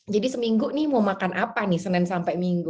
jadi seminggu nih mau makan apa nih senin sampai minggu